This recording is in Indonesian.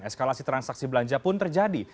eskalasi transaksi belanja pun terjadi